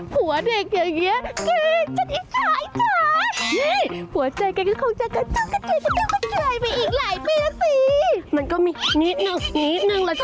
มักจะลุ่มมาก